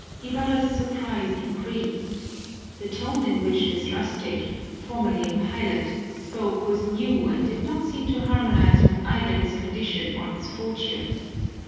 Ibarra's surprise increased. The tone in which this rustics formerly a pilot spoke was new and did not seem to harmonize with either his condition or his fortune.